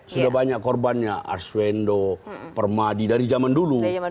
sudah banyak korbannya arswendo permadi dari zaman dulu